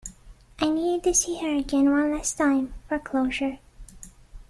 I needed to see her again one last time, for closure.